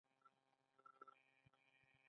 د شک د مینځلو لپاره د یقین او اوبو ګډول وکاروئ